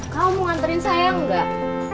kamu mau nganterin saya enggak